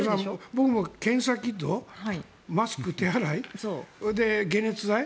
僕も検査キットマスク、手洗い解熱剤。